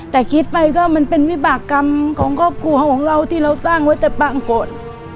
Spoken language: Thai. แต่คิดไปก็มันเป็นวิบากรรมของครอบครัวของเราที่เราสร้างไว้แต่ปรากฏ